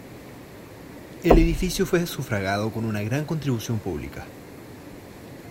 El edificio fue sufragado con una gran contribución pública.